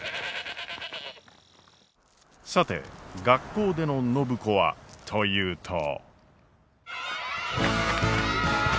さて学校での暢子はというと。